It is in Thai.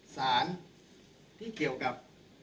สารที่เกี่ยวกับ